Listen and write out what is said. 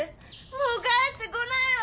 もう帰ってこないわ。